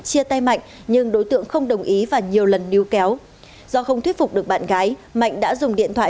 chia tay mạnh nhưng đối tượng không đồng ý và nhiều lần níu kéo do không thuyết phục được bạn gái mạnh đã dùng điện thoại